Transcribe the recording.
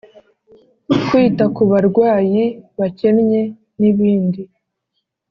Kwita ku barwayi bakennye n ibindi